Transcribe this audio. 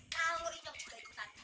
kalau nyong juga ikutan